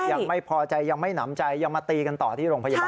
ยังไม่พอใจยังไม่หนำใจยังมาตีกันต่อที่โรงพยาบาล